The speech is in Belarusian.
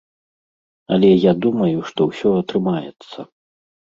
Але я думаю, што ўсё атрымаецца.